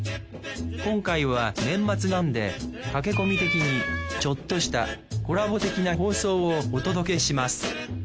今回は年末なんで駆け込み的にちょっとしたコラボ的な放送をお届けします